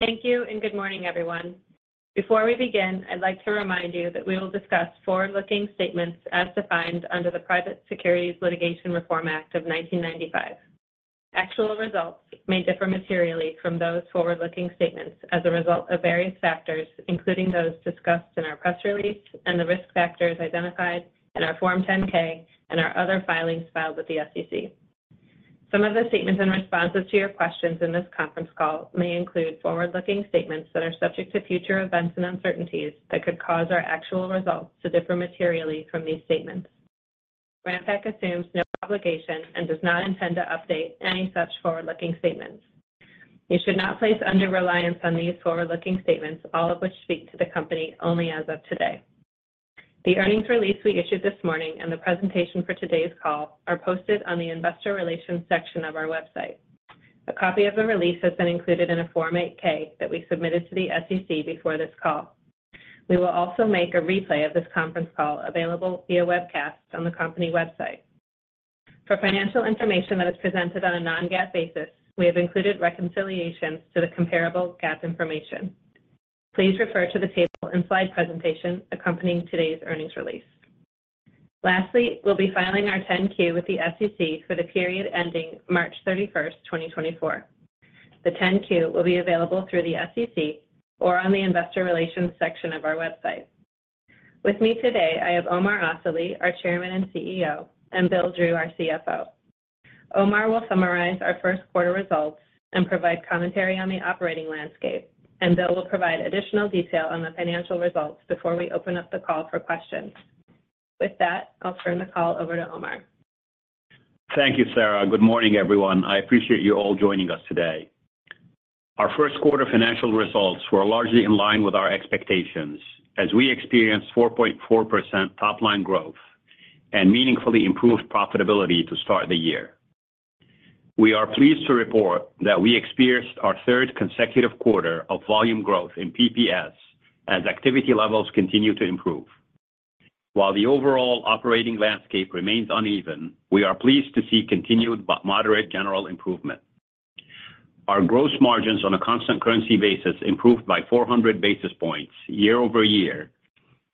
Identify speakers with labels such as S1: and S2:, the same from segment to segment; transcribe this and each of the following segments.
S1: Thank you, and good morning, everyone. Before we begin, I'd like to remind you that we will discuss forward-looking statements as defined under the Private Securities Litigation Reform Act of 1995. Actual results may differ materially from those forward-looking statements as a result of various factors, including those discussed in our press release and the risk factors identified in our Form 10-K and our other filings filed with the SEC. Some of the statements and responses to your questions in this conference call may include forward-looking statements that are subject to future events and uncertainties that could cause our actual results to differ materially from these statements. Ranpak assumes no obligation and does not intend to update any such forward-looking statements. You should not place undue reliance on these forward-looking statements, all of which speak to the company only as of today. The earnings release we issued this morning and the presentation for today's call are posted on the investor relations section of our website. A copy of the release has been included in a Form 8-K that we submitted to the SEC before this call. We will also make a replay of this conference call available via webcast on the company website. For financial information that is presented on a non-GAAP basis, we have included reconciliations to the comparable GAAP information. Please refer to the table and slide presentation accompanying today's earnings release. Lastly, we'll be filing our 10-Q with the SEC for the period ending 31 March 2024. The 10-Q will be available through the SEC or on the investor relations section of our website. With me today, I have Omar Asali, our Chairman and CEO, and Bill Drew, our CFO. Omar will summarize our Q1 results and provide commentary on the operating landscape, and Bill will provide additional detail on the financial results before we open up the call for questions. With that, I'll turn the call over to Omar.
S2: Thank you, Sara. Good morning, everyone. I appreciate you all joining us today. Our Q1 financial results were largely in line with our expectations as we experienced 4.4% top-line growth and meaningfully improved profitability to start the year. We are pleased to report that we experienced our third consecutive quarter of volume growth in PPS as activity levels continue to improve. While the overall operating landscape remains uneven, we are pleased to see continued but moderate general improvement. Our gross margins on a constant currency basis improved by 400 basis points year-over-year,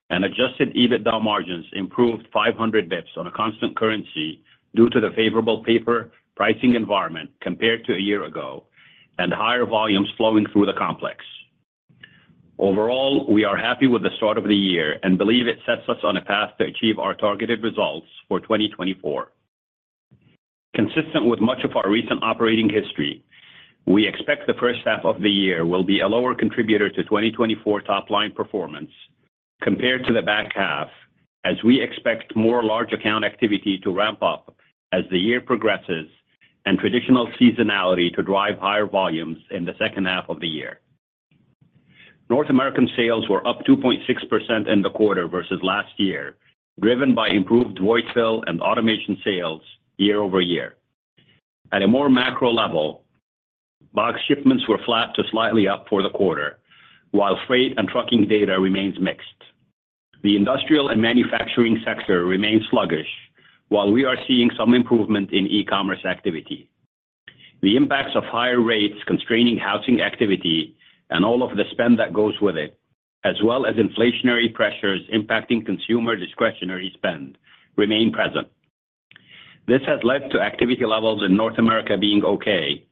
S2: and adjusted EBITDA margins improved 500 basis points on a constant currency due to the favorable paper pricing environment compared to a year ago and higher volumes flowing through the complex. Overall, we are happy with the start of the year and believe it sets us on a path to achieve our targeted results for 2024. Consistent with much of our recent operating history, we expect the first half of the year will be a lower contributor to 2024 top-line performance compared to the back half, as we expect more large account activity to ramp up as the year progresses and traditional seasonality to drive higher volumes in the second half of the year. North American sales were up 2.6% in the quarter versus last year, driven by improved Void Fill and Automation sales year-over-year. At a more macro level, box shipments were flat to slightly up for the quarter, while freight and trucking data remains mixed. The industrial and manufacturing sector remains sluggish, while we are seeing some improvement in e-commerce activity. The impacts of higher rates constraining housing activity and all of the spend that goes with it, as well as inflationary pressures impacting consumer discretionary spend, remain present. This has led to activity levels in North America being okay,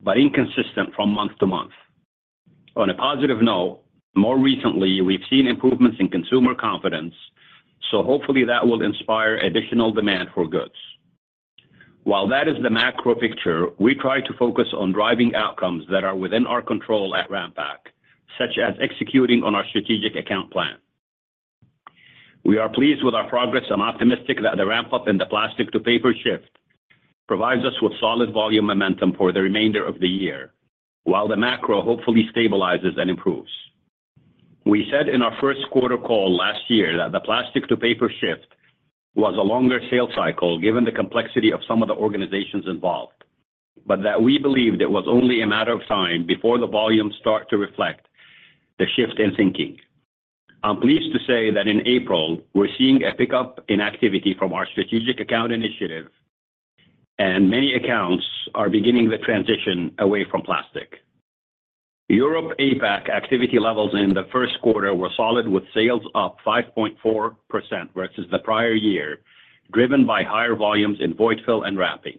S2: but inconsistent from month to month. On a positive note, more recently, we've seen improvements in consumer confidence, so hopefully that will inspire additional demand for goods. While that is the macro picture, we try to focus on driving outcomes that are within our control at Ranpak, such as executing on our strategic account plan. We are pleased with our progress and optimistic that the ramp-up in the plastic-to-paper shift provides us with solid volume momentum for the remainder of the year, while the macro hopefully stabilizes and improves. We said in our Q1 call last year that the plastic-to-paper shift was a longer sales cycle, given the complexity of some of the organizations involved, but that we believed it was only a matter of time before the volumes start to reflect the shift in thinking. I'm pleased to say that in April, we're seeing a pickup in activity from our strategic account initiative, and many accounts are beginning the transition away from plastic. Europe, APAC activity levels in Q1 were solid, with sales up 5.4% versus the prior year, driven by higher volumes in void fill and wrapping.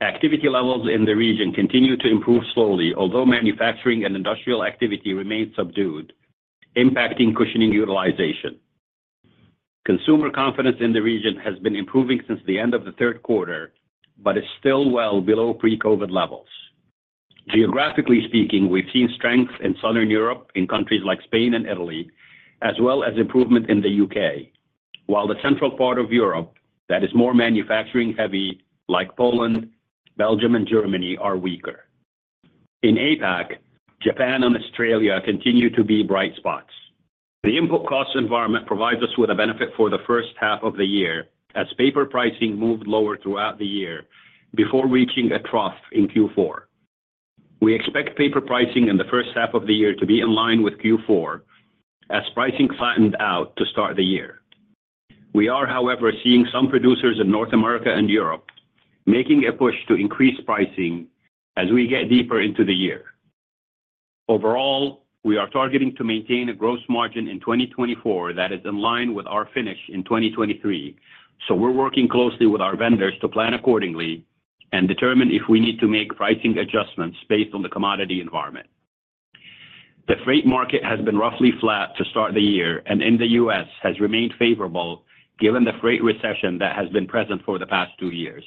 S2: Activity levels in the region continue to improve slowly, although manufacturing and industrial activity remains subdued, impacting cushioning utilization. Consumer confidence in the region has been improving since the end of Q4, but is still well below pre-COVID levels. Geographically speaking, we've seen strength in Southern Europe, in countries like Spain and Italy, as well as improvement in the UK, while the Central Europe that is more manufacturing-heavy, like Poland, Belgium, and Germany, are weaker. In APAC, Japan and Australia continue to be bright spots. The input cost environment provides us with a benefit for the first half of the year, as paper pricing moved lower throughout the year before reaching a trough in Q4. We expect paper pricing in the first half of the year to be in line with Q4 as pricing flattened out to start the year. We are, however, seeing some producers in North America and Europe making a push to increase pricing as we get deeper into the year. Overall, we are targeting to maintain a gross margin in 2024 that is in line with our finish in 2023. So we're working closely with our vendors to plan accordingly and determine if we need to make pricing adjustments based on the commodity environment. The freight market has been roughly flat to start the year, and in the U.S., has remained favorable, given the freight recession that has been present for the past two years.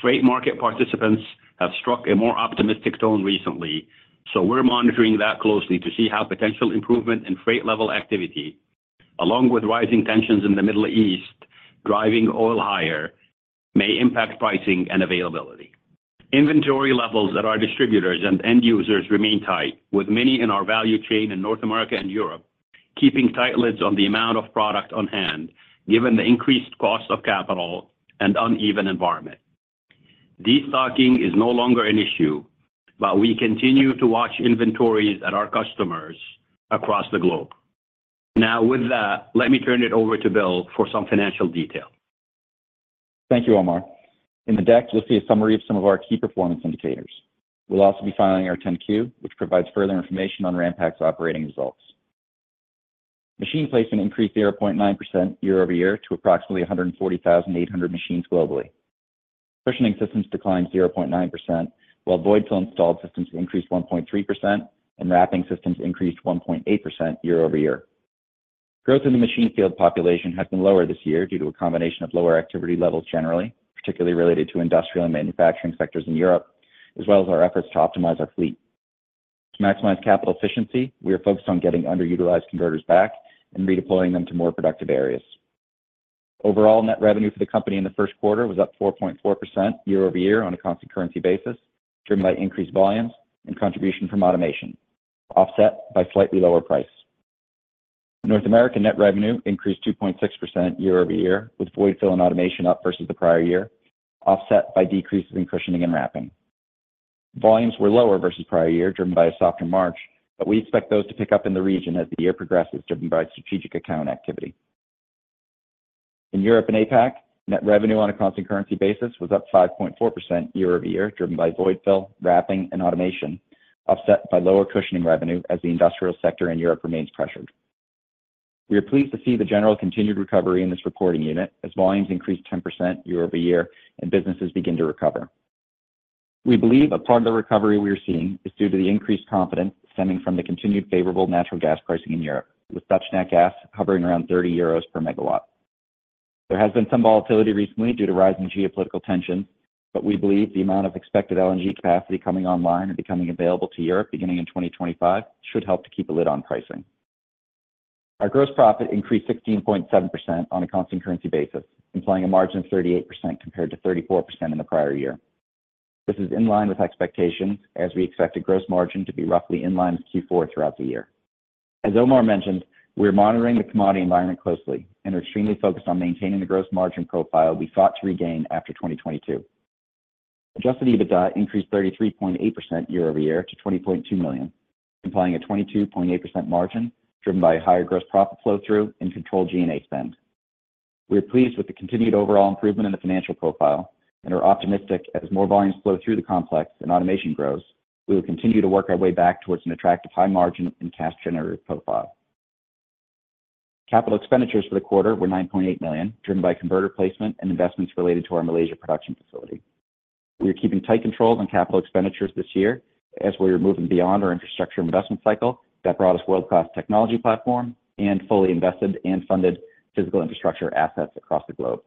S2: Freight market participants have struck a more optimistic tone recently, so we're monitoring that closely to see how potential improvement in freight level activity, along with rising tensions in the Middle East, driving oil higher, may impact pricing and availability. Inventory levels at our distributors and end users remain tight, with many in our value chain in North America and Europe, keeping tight lids on the amount of product on hand, given the increased cost of capital and uneven environment. Destocking is no longer an issue, but we continue to watch inventories at our customers across the globe. Now, with that, let me turn it over to Bill for some financial detail.
S3: Thank you, Omar. In the deck, you'll see a summary of some of our key performance indicators. We'll also be filing our 10-Q, which provides further information on Ranpak's operating results. Machine placement increased 0.9% year-over-year to approximately 140,800 machines globally. Cushioning systems declined 0.9%, while Void Fill installed systems increased 1.3%, and Wrapping systems increased 1.8% year-over-year. Growth in the machine fleet population has been lower this year due to a combination of lower activity levels generally, particularly related to industrial and manufacturing sectors in Europe, as well as our efforts to optimize our fleet. To maximize capital efficiency, we are focused on getting underutilized converters back and redeploying them to more productive areas. Overall, net revenue for the company in Q1 was up 4.4% year-over-year on a constant currency basis, driven by increased volumes and contribution from automation, offset by slightly lower price. North American net revenue increased 2.6% year-over-year, with void fill and automation up versus the prior year, offset by decreases in cushioning and wrapping. Volumes were lower versus prior year, driven by a softer March, but we expect those to pick up in the region as the year progresses, driven by strategic account activity. In Europe and APAC, net revenue on a constant currency basis was up 5.4% year-over-year, driven by void fill, wrapping, and automation, offset by lower cushioning revenue as the industrial sector in Europe remains pressured. We are pleased to see the general continued recovery in this reporting unit as volumes increased 10% year-over-year and businesses begin to recover. We believe a part of the recovery we are seeing is due to the increased confidence stemming from the continued favorable natural gas pricing in Europe, with Dutch Nat Gas hovering around 30 euros per megawatt. There has been some volatility recently due to rising geopolitical tension, but we believe the amount of expected LNG capacity coming online and becoming available to Europe beginning in 2025 should help to keep a lid on pricing. Our gross profit increased 16.7% on a constant currency basis, implying a margin of 38% compared to 34% in the prior year. This is in line with expectations, as we expect a gross margin to be roughly in line with Q4 throughout the year. As Omar mentioned, we're monitoring the commodity environment closely and are extremely focused on maintaining the gross margin profile we sought to regain after 2022. Adjusted EBITDA increased 33.8% year-over-year to $20.2 million, implying a 22.8% margin driven by a higher gross profit flow-through and controlled G&A spend. We are pleased with the continued overall improvement in the financial profile and are optimistic as more volumes flow through the complex and automation grows, we will continue to work our way back towards an attractive high margin and cash generative profile. Capital expenditures for the quarter were $9.8 million, driven by converter placement and investments related to our Malaysia production facility. We are keeping tight controls on capital expenditures this year as we are moving beyond our infrastructure investment cycle that brought us world-class technology platform and fully invested and funded physical infrastructure assets across the globe.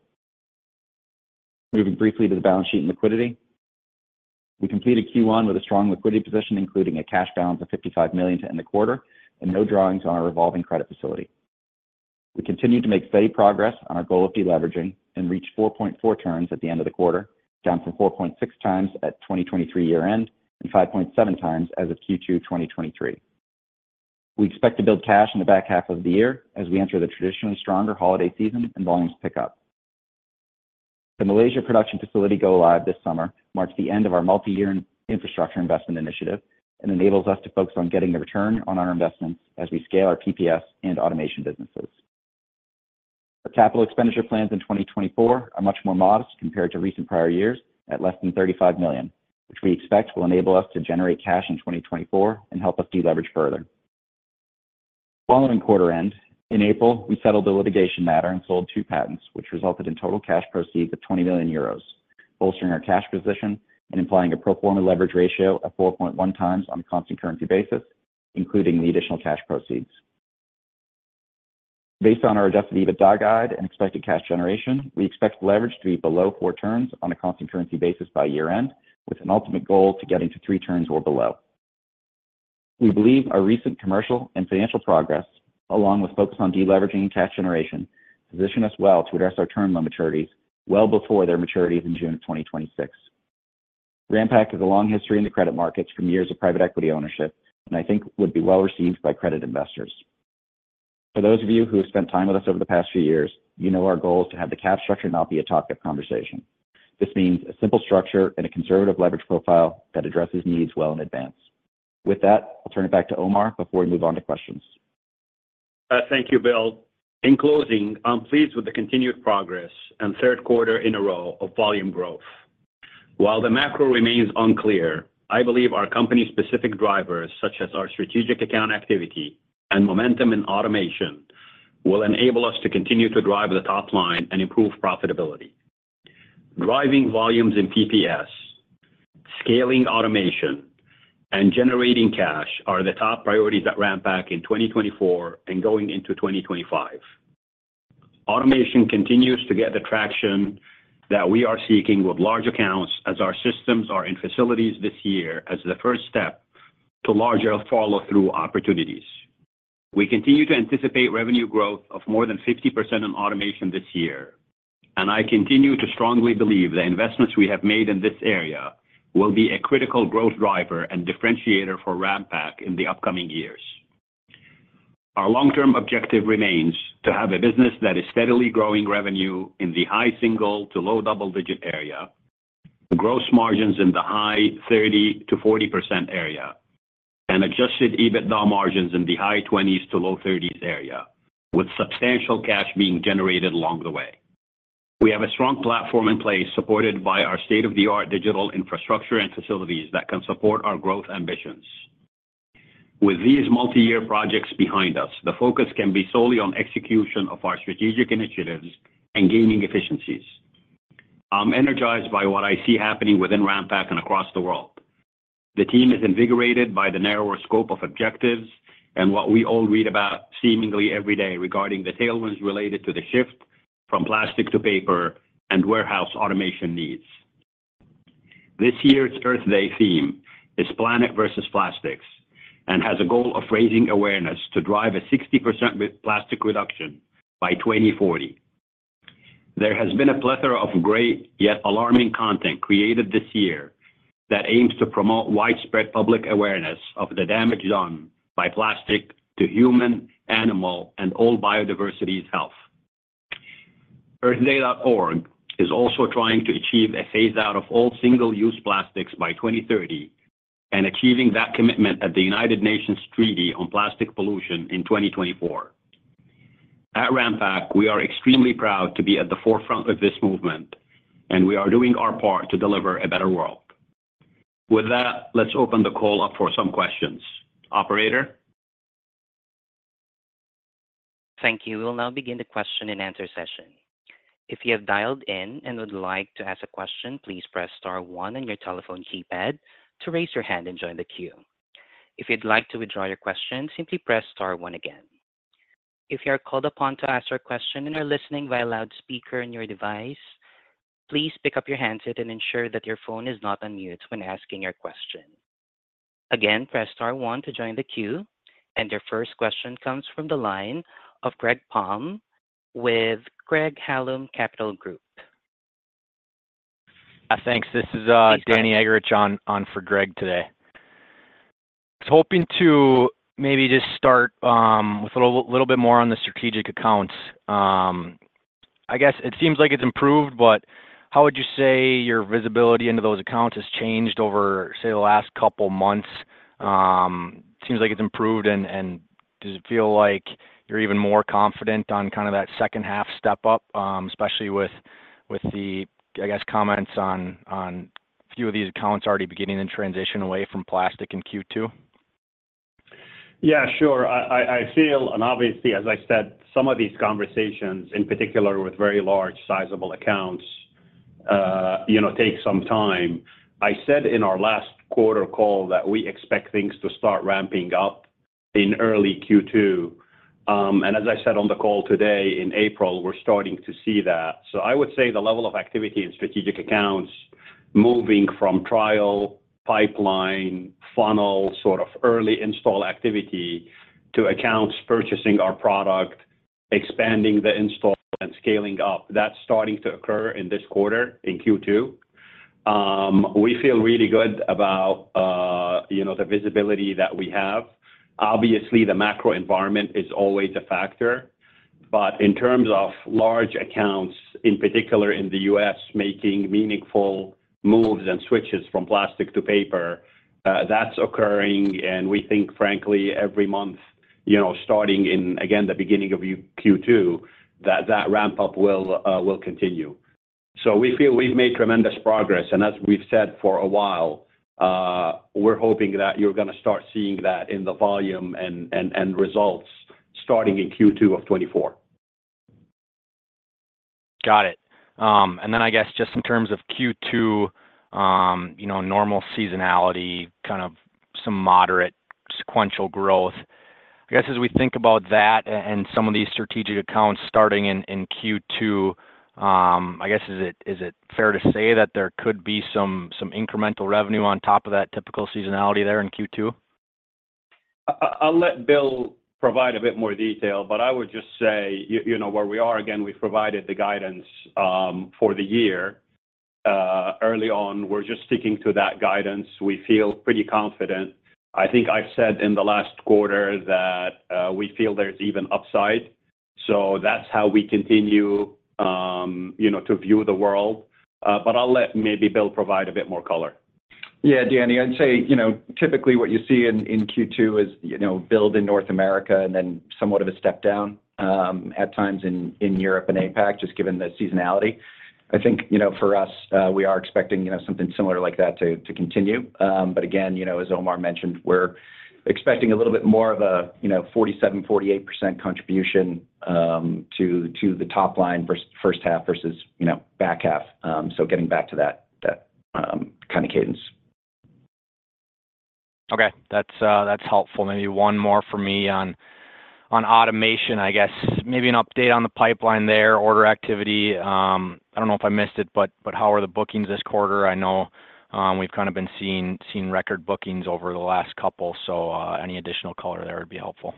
S3: Moving briefly to the balance sheet and liquidity. We completed Q1 with a strong liquidity position, including a cash balance of $55 million to end the quarter and no drawings on our revolving credit facility. We continued to make steady progress on our goal of deleveraging and reached 4.4 turns at the end of the quarter, down from 4.6 times at 2023 year-end and 5.7 times as of Q2 2023. We expect to build cash in the back half of the year as we enter the traditionally stronger holiday season and volumes pick up. The Malaysia production facility go-live this summer marks the end of our multi-year infrastructure investment initiative and enables us to focus on getting the return on our investments as we scale our PPS and automation businesses. Our capital expenditure plans in 2024 are much more modest compared to recent prior years at less than $35 million, which we expect will enable us to generate cash in 2024 and help us deleverage further. Following quarter end, in April, we settled a litigation matter and sold two patents, which resulted in total cash proceeds of 20 million euros, bolstering our cash position and implying a pro forma leverage ratio of 4.1x on a constant currency basis, including the additional cash proceeds. Based on our adjusted EBITDA guide and expected cash generation, we expect leverage to be below four turns on a constant currency basis by year-end, with an ultimate goal to getting to three turns or below. We believe our recent commercial and financial progress, along with focus on deleveraging and cash generation, position us well to address our term loan maturities well before their maturities in June of 2026. Ranpak has a long history in the credit markets from years of private equity ownership, and I think would be well received by credit investors. For those of you who have spent time with us over the past few years, you know our goal is to have the capital structure not be a topic of conversation. This means a simple structure and a conservative leverage profile that addresses needs well in advance. With that, I'll turn it back to Omar before we move on to questions.
S2: Thank you, Bill. In closing, I'm pleased with the continued progress and Q4 in a row of volume growth. While the macro remains unclear, I believe our company-specific drivers, such as our strategic account activity and momentum in automation, will enable us to continue to drive the top line and improve profitability. Driving volumes in PPS, scaling automation, and generating cash are the top priorities at Ranpak in 2024 and going into 2025. Automation continues to get the traction that we are seeking with large accounts, as our systems are in facilities this year as the first step to larger follow-through opportunities. We continue to anticipate revenue growth of more than 50% in automation this year, and I continue to strongly believe the investments we have made in this area will be a critical growth driver and differentiator for Ranpak in the upcoming years. Our long-term objective remains to have a business that is steadily growing revenue in the high-single to low-double-digit area, gross margins in the high 30% to 40% area, and adjusted EBITDA margins in the high 20%-low 30% area, with substantial cash being generated along the way. We have a strong platform in place, supported by our state-of-the-art digital infrastructure and facilities that can support our growth ambitions. With these multi-year projects behind us, the focus can be solely on execution of our strategic initiatives and gaining efficiencies. I'm energized by what I see happening within Ranpak and across the world. The team is invigorated by the narrower scope of objectives and what we all read about seemingly every day regarding the tailwinds related to the shift from plastic to paper and warehouse automation needs. This year's Earth Day theme is Planet versus Plastics, and has a goal of raising awareness to drive a 60% plastic reduction by 2040. There has been a plethora of great, yet alarming content created this year that aims to promote widespread public awareness of the damage done by plastic to human, animal, and all biodiversity's health. EarthDay.org is also trying to achieve a phaseout of all single-use plastics by 2030, and achieving that commitment at the United Nations Treaty on Plastic Pollution in 2024. At Ranpak, we are extremely proud to be at the forefront of this movement, and we are doing our part to deliver a better world. With that, let's open the call up for some questions. Operator?
S4: Thank you. We'll now begin the question and answer session. If you have dialed in and would like to ask a question, please press star one on your telephone keypad to raise your hand and join the queue. If you'd like to withdraw your question, simply press star one again. If you are called upon to ask your question and are listening via loudspeaker on your device, please pick up your handset and ensure that your phone is not on mute when asking your question. Again, press star one to join the queue, and your first question comes from the line of Greg Palm with Craig-Hallum Capital Group.
S5: Thanks. This is...
S4: Hey, Greg.
S5: Danny Eggerichs, on for Greg Palm today. I was hoping to maybe just start with a little bit more on the strategic accounts. I guess it seems like it's improved, but how would you say your visibility into those accounts has changed over, say, the last couple months? Seems like it's improved, and does it feel like you're even more confident on kinda that second half step up, especially with the, I guess, comments on a few of these accounts already beginning to transition away from plastic in Q2?
S2: Sure. I feel, and obviously, as I said, some of these conversations, in particular with very large sizable accounts, you know, take some time. I said in our last quarter call that we expect things to start ramping up in early Q2. As I said on the call today, in April, we're starting to see that. I would say the level of activity in strategic accounts moving from trial, pipeline, funnel, sort of early install activity to accounts purchasing our product, expanding the install and scaling up, that's starting to occur in this quarter, in Q2. We feel really good about, you know, the visibility that we have. Obviously, the macro environment is always a factor, but in terms of large accounts, in particular in the U.S., making meaningful moves and switches from plastic to paper, that's occurring, and we think, frankly, every month, you know, starting in, again, the beginning of Q2, that ramp-up will continue. We feel we've made tremendous progress, and as we've said for a while, we're hoping that you're gonna start seeing that in the volume and results starting in Q2 of 2024.
S5: Got it. I guess just in terms of Q2, you know, normal seasonality, kind of some moderate sequential growth. I guess, as we think about that and some of these strategic accounts starting in Q2, I guess, is it fair to say that there could be some incremental revenue on top of that typical seasonality there in Q2?
S2: I'll let Bill provide a bit more detail, but I would just say, you know, where we are, again, we've provided the guidance for the year early on. We're just sticking to that guidance. We feel pretty confident. I think I've said in the last quarter that we feel there's even upside. That's how we continue, you know, to view the world. I'll let Bill provide a bit more color.
S3: Danny, I'd say, you know, typically what you see in Q2 is, you know, build in North America and then somewhat of a step down at times in Europe and APAC, just given the seasonality. I think, you know, for us, we are expecting, you know, something similar like that to continue. Again, you know, as Omar mentioned, we're expecting a little bit more of a, you know, 47% to 48% contribution to the top line versus first half versus back half. So getting back to that kind of cadence.
S5: Okay. That's helpful. Maybe one more for me on automation. I guess maybe an update on the pipeline there, order activity. I don't know if I missed it, but how are the bookings this quarter? I know, we've kind of been seeing record bookings over the last couple, so any additional color there would be helpful.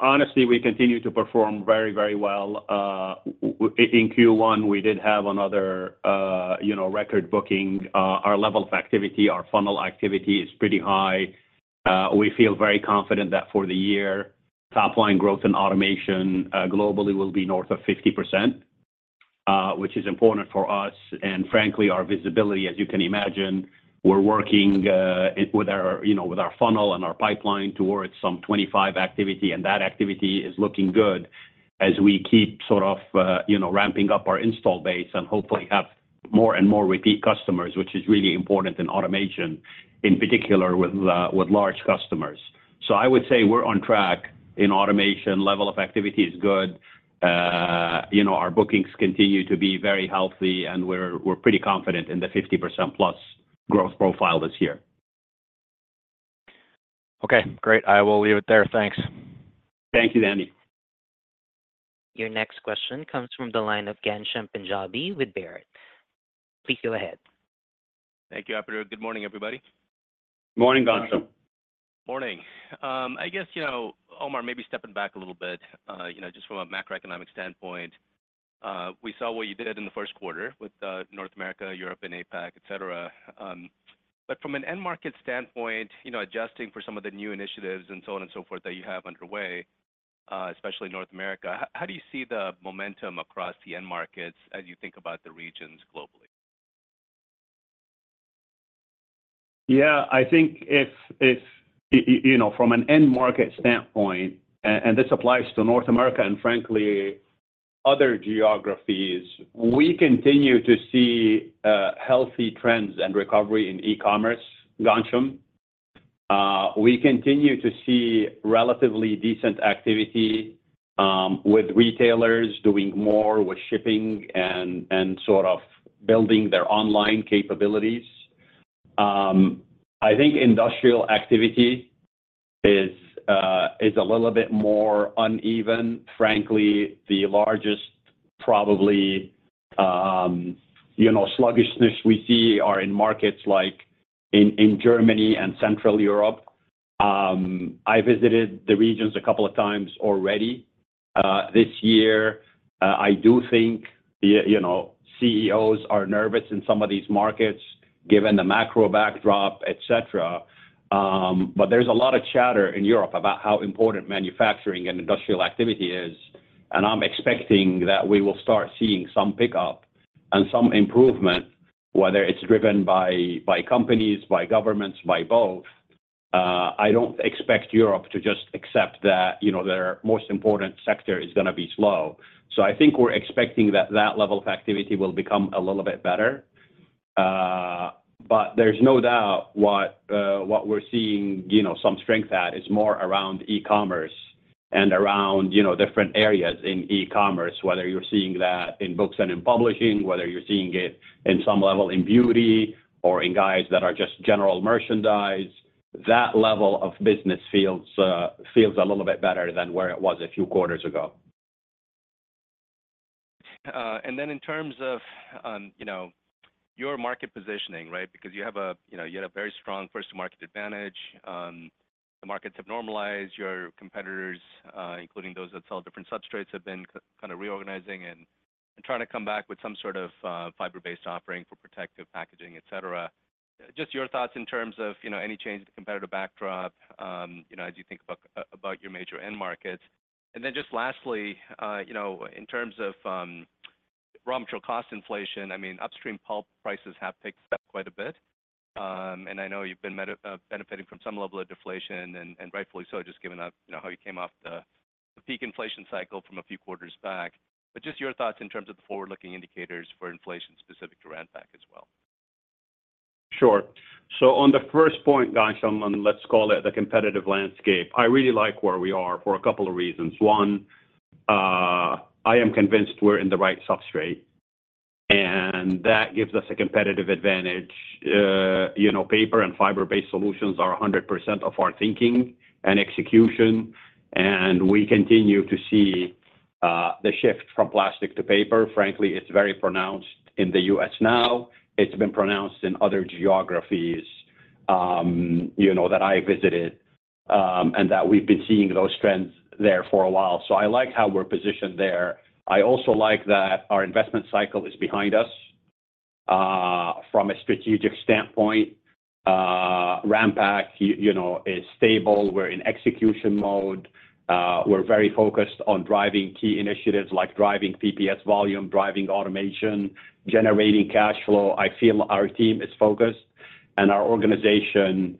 S2: Honestly, we continue to perform very, very well. In Q1, we did have another, you know, record booking. Our level of activity, our funnel activity is pretty high. We feel very confident that for the year, top line growth in automation globally will be north of 50%, which is important for us and frankly, our visibility. As you can imagine, we're working with our, you know, with our funnel and our pipeline towards some 25 activity, and that activity is looking good as we keep sort of, you know, ramping up our install base and hopefully have more and more repeat customers, which is really important in automation, in particular with large customers. I would say we're on track. In automation, level of activity is good. You know, our bookings continue to be very healthy, and we're pretty confident in the 50%+ growth profile this year.
S5: Okay, great. I will leave it there. Thanks.
S2: Thank you, Danny.
S4: Your next question comes from the line of Ghansham Panjabi with Baird. Please go ahead.
S6: Thank you, Operator. Good morning, everybody.
S2: Morning, Gansham.
S6: Morning. I guess, you know, Omar, maybe stepping back a little bit, you know, just from a macroeconomic standpoint, we saw what you did in Q1 with, North America, Europe, and APAC, et cetera. from an end market standpoint, you know, adjusting for some of the new initiatives and so on and so forth that you have underway, especially in North America, how do you see the momentum across the end markets as you think about the regions globally?
S2: I think if you know, from an end market standpoint, and this applies to North America and frankly, other geographies, we continue to see healthy trends and recovery in e-commerce, Ghansham. We continue to see relatively decent activity with retailers doing more with shipping and and sort of building their online capabilities. I think industrial activity is a little bit more uneven. Frankly, the largest probably you know, sluggishness we see are in markets like in Germany and Central Europe. I visited the regions a couple of times already this year. I do think you know, CEOs are nervous in some of these markets, given the macro backdrop, et cetera. There's a lot of chatter in Europe about how important manufacturing and industrial activity is, and I'm expecting that we will start seeing some pickup and some improvement, whether it's driven by, by companies, by governments, by both. I don't expect Europe to just accept that, you know, their most important sector is gonna be slow. I think we're expecting that that level of activity will become a little bit better. There's no doubt what, what we're seeing, you know, some strength at, is more around e-commerce and around, you know, different areas in e-commerce, whether you're seeing that in books and in publishing, whether you're seeing it in some level in beauty or in guys that are just general merchandise. That level of business feels, feels a little bit better than where it was a few quarters ago.
S6: In terms of, you know, your market positioning, right? Because you have a, you know, you had a very strong first-to-market advantage. The markets have normalized. Your competitors, including those that sell different substrates, have been kind of reorganizing and trying to come back with some sort of, fiber-based offering for protective packaging, et cetera. Just your thoughts in terms of, you know, any change to the competitive backdrop, you know, as you think about your major end markets. And then just lastly, you know, in terms of, raw material cost inflation, I mean, upstream pulp prices have picked up quite a bit. I know you've been benefiting from some level of deflation and rightfully so, just given you know how you came off the peak inflation cycle from a few quarters back. Just your thoughts in terms of the forward-looking indicators for inflation specific to Ranpak as well?
S2: Sure. On the first point, Ghansham, and let's call it the competitive landscape, I really like where we are for a couple of reasons. One, I am convinced we're in the right substrate, and that gives us a competitive advantage. You know, paper and fiber-based solutions are 100% of our thinking and execution, and we continue to see the shift from plastic to paper. Frankly, it's very pronounced in the US now. It's been pronounced in other geographies, you know, that I visited, and that we've been seeing those trends there for a while. I like how we're positioned there. I also like that our investment cycle is behind us.... From a strategic standpoint, Ranpak, you know, is stable. We're in execution mode. We're very focused on driving key initiatives like driving PPS volume, driving automation, generating cash flow. I feel our team is focused, and our organization,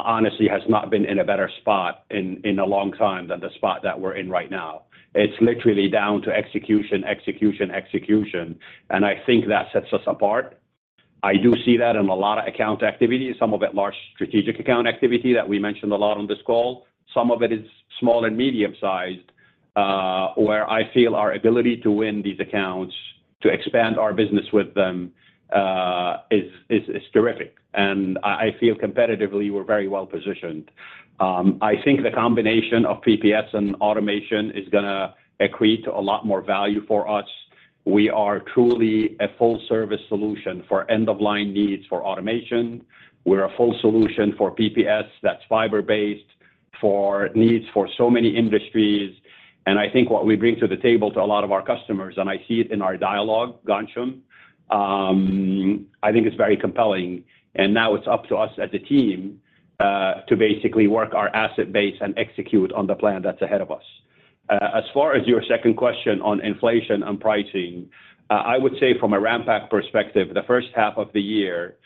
S2: honestly has not been in a better spot in, in a long time than the spot that we're in right now. It's literally down to execution, execution, execution, and I think that sets us apart. I do see that in a lot of account activity, some of it large strategic account activity that we mentioned a lot on this call. Some of it is small and medium-sized, where I feel our ability to win these accounts, to expand our business with them, is, is, is terrific. I, I feel competitively, we're very well positioned. I think the combination of PPS and automation is gonna accrete a lot more value for us. We are truly a full service solution for end-of-line needs for automation. We're a full solution for PPS, that's fiber-based, for needs for so many industries. I think what we bring to the table to a lot of our customers, and I see it in our dialogue, Ghansham, I think it's very compelling. Now it's up to us as a team, to basically work our asset base and execute on the plan that's ahead of us. As far as your second question on inflation and pricing, I would say from a Ranpak perspective, the first half of the year,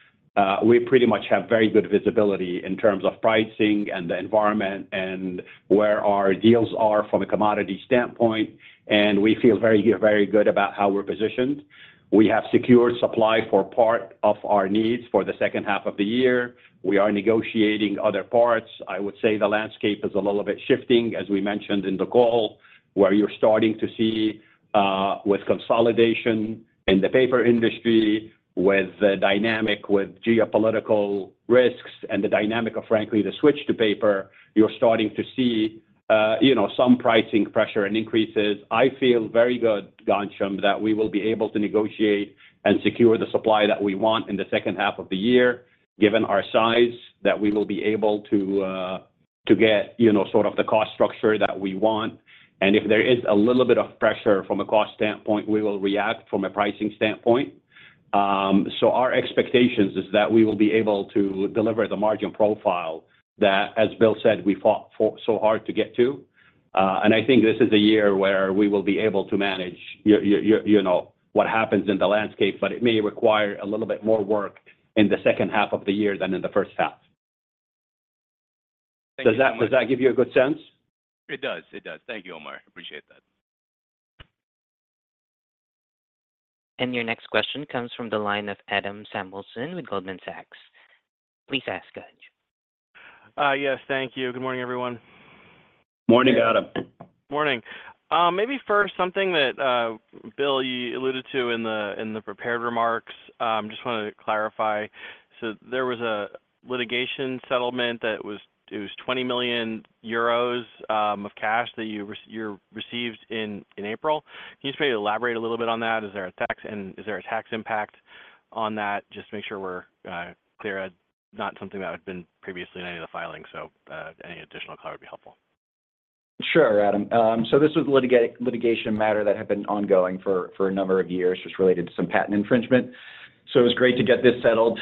S2: we pretty much have very good visibility in terms of pricing and the environment and where our deals are from a commodity standpoint, and we feel very, very good about how we're positioned. We have secured supply for part of our needs for the second half of the year. We are negotiating other parts. I would say the landscape is a little bit shifting, as we mentioned in the call, where you're starting to see, with consolidation in the paper industry, with the dynamic with geopolitical risks and the dynamic of, frankly, the switch to paper, you're starting to see, you know, some pricing pressure and increases. I feel very good, Ghansham, that we will be able to negotiate and secure the supply that we want in the second half of the year, given our size, that we will be able to, to get, you know, sort of the cost structure that we want. If there is a little bit of pressure from a cost standpoint, we will react from a pricing standpoint. Our expectations is that we will be able to deliver the margin profile that, as Bill said, we fought for so hard to get to. I think this is the year where we will be able to manage you know, what happens in the landscape, but it may require a little bit more work in the second half of the year than in the first half.
S6: Thank you-
S2: Does that, does that give you a good sense?
S6: It does. It does. Thank you, Omar. I appreciate that.
S4: Your next question comes from the line of Adam Samuelson with Goldman Sachs. Please ask ahead.
S7: Yes, thank you. Good morning, everyone.
S2: Morning, Adam.
S7: Morning. Maybe first, something that Bill, you alluded to in the prepared remarks, just wanted to clarify. So there was a litigation settlement that was 20 million euros of cash that you received in April. Can you just maybe elaborate a little bit on that? Is there a tax, and is there a tax impact on that? Just to make sure we're clear. Not something that had been previously in any of the filings, so any additional color would be helpful.
S3: Sure, Adam. This was a litigation matter that had been ongoing for a number of years, just related to some patent infringement. So it was great to get this settled,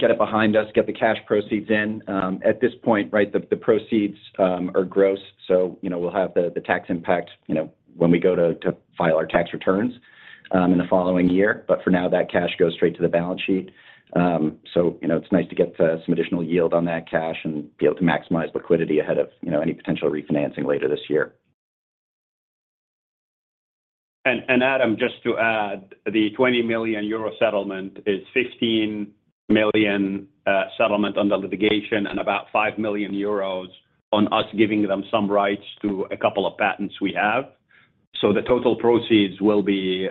S3: get it behind us, get the cash proceeds in. At this point, right, the proceeds are gross, so, you know, we'll have the tax impact, you know, when we go to file our tax returns in the following year. For now, that cash goes straight to the balance sheet. So, you know, it's nice to get some additional yield on that cash and be able to maximize liquidity ahead of, you know, any potential refinancing later this year.
S2: Adam, just to add, the 20 million euro settlement is 15 million settlement on the litigation and about 5 million euros on us giving them some rights to a couple of patents we have. The total proceeds will be,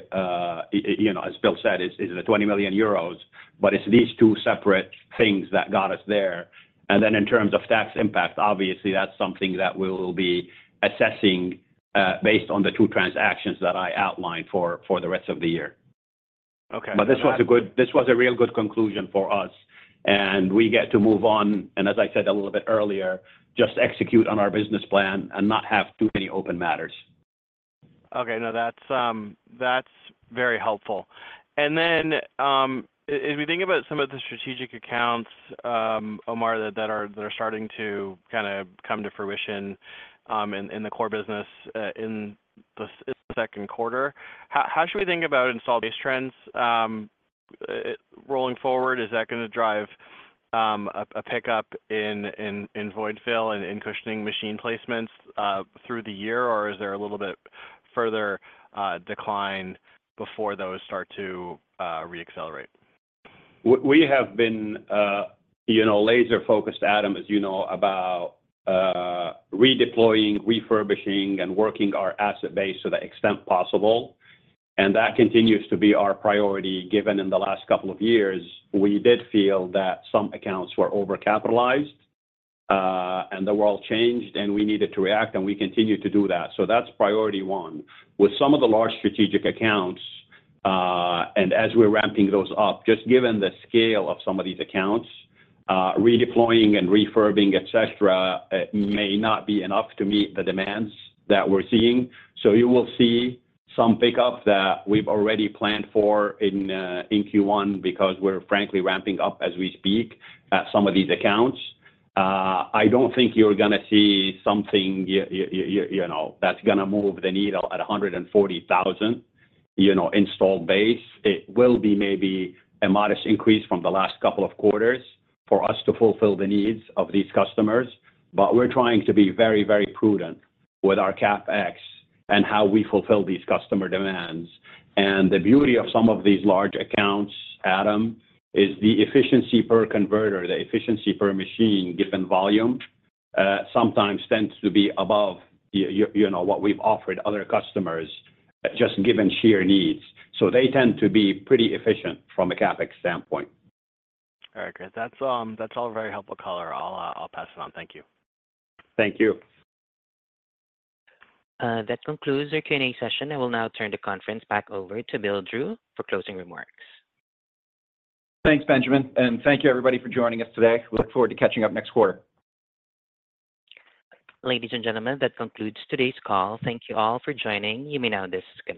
S2: you know, as Bill said, the 20 million euros, but it's these two separate things that got us there. In terms of tax impact, obviously, that's something that we'll be assessing based on the two transactions that I outlined for the rest of the year.
S7: Okay.
S2: This was a real good conclusion for us, and we get to move on, and as I said a little bit earlier, just execute on our business plan and not have too many open matters.
S7: Okay. No, that's, that's very helpful. If we think about some of the strategic accounts, Omar, that are starting to kind of come to fruition, in the core business, in the second quarter, how should we think about install base trends, rolling forward? Is that gonna drive a pickup in void fill and cushioning machine placements, through the year? Or is there a little bit further decline before those start to reaccelerate?
S2: We have been, you know, laser-focused, Adam, as you know, about redeploying, refurbishing, and working our asset base to the extent possible, and that continues to be our priority, given in the last couple of years, we did feel that some accounts were overcapitalized, and the world changed, and we needed to react, and we continued to do that. That's priority one. With some of the large strategic accounts, and as we're ramping those up, just given the scale of some of these accounts, redeploying and refurbing, et cetera, may not be enough to meet the demands that we're seeing. You will see some pickup that we've already planned for in Q1 because we're frankly ramping up as we speak, some of these accounts. I don't think you're gonna see something you know, that's gonna move the needle at 140,000, you know, installed base. It will be maybe a modest increase from the last couple of quarters for us to fulfill the needs of these customers, but we're trying to be very, very prudent with our CapEx and how we fulfill these customer demands. The beauty of some of these large accounts, Adam, is the efficiency per converter, the efficiency per machine, given volume, sometimes tends to be above you know, what we've offered other customers, just given sheer needs. They tend to be pretty efficient from a CapEx standpoint.
S7: All right, great. That's, that's all very helpful color. I'll, I'll pass it on. Thank you.
S2: Thank you.
S4: That concludes our Q&A session. I will now turn the conference back over to Bill Drew for closing remarks.
S3: Thanks, Benjamin, and thank you, everybody, for joining us today. We look forward to catching up next quarter.
S4: Ladies and gentlemen, that concludes today's call. Thank you all for joining. You may now disconnect.